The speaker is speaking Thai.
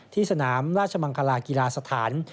สนามราชมังคลากีฬาสถาน